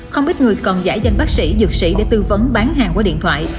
không ít người còn giải danh bác sĩ dược sĩ để tư vấn bán hàng qua điện thoại